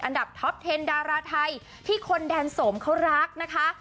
อันดับท็อปเทนดาราไทยที่คนแดนสมเขารักนะคะ